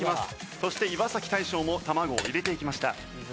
そして岩大昇も卵を入れていきました。